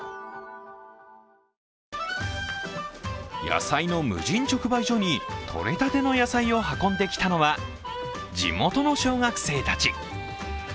野菜の無人直売所に取れたての野菜を運んできたのは地元の小学生たち。